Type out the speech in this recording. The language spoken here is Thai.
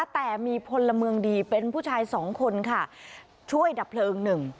แต่มีพลเมืองดีเป็นผู้ชายสองคนค่ะช่วยดับเพลิงหนึ่ง